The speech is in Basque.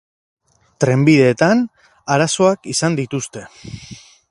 Trenbideetan arazoak izan dituzte.